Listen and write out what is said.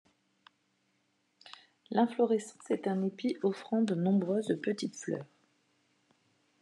L'inflorescence est un épi offrant de nombreuses petites fleurs.